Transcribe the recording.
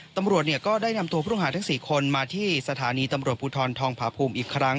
ตำรวจก็ได้นำตัวผู้ต้องหาทั้ง๔คนมาที่สถานีตำรวจภูทรทองผาภูมิอีกครั้ง